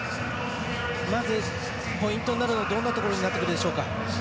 まずポイントとなるのはどんなところになってくるでしょうか。